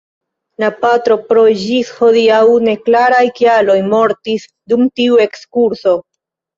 La patro pro ĝis hodiaŭ neklaraj kialoj mortis dum tiu ekskurso.